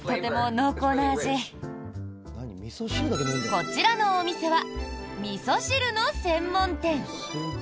こちらのお店はみそ汁の専門店。